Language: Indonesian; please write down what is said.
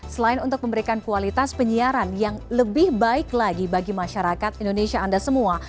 selain untuk memberikan kualitas penyiaran yang lebih baik lagi bagi masyarakat indonesia anda semua